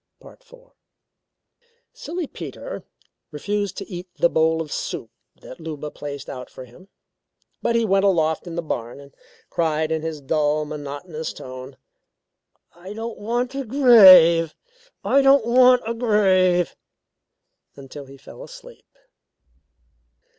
IV Silly Peter refused to eat the bowl of soup that Luba placed out for him, but he went aloft in the barn and cried in his dull, monotonous tone: "I don't want a grave I don't want a grave," until he fell asleep.